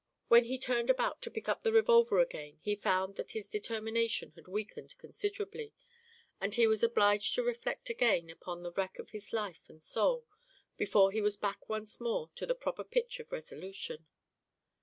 When he turned about to pick up the revolver again he found that his determination had weakened considerably, and he was obliged to reflect again upon the wreck of his life and soul before he was back once more to the proper pitch of resolution.